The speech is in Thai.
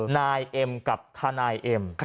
นายเอ็มกับทนายเอ็ม